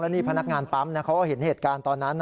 นี่พนักงานปั๊มเขาก็เห็นเหตุการณ์ตอนนั้น